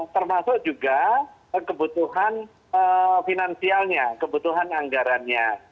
termasuk juga kebutuhan finansialnya kebutuhan anggarannya